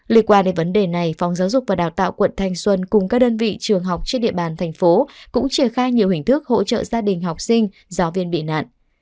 liên quan đến vấn đề này phòng giáo dục và đào tạo quận thanh xuân cùng các đơn vị trường học trên địa bàn thành phố cũng triển khai nhiều hình thức hỗ trợ gia đình học sinh giáo viên bị nạn